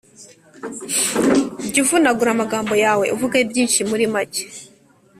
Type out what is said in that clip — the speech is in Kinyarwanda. Jya uvunagura amagambo yawe, uvuge byinshi muri make.